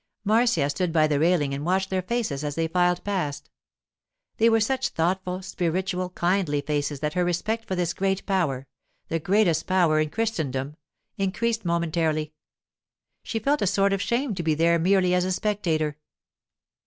Marcia stood by the railing and watched their faces as they filed past. They were such thoughtful, spiritual, kindly faces that her respect for this great power—the greatest power in Christendom—increased momentarily. She felt a sort of shame to be there merely as a spectator.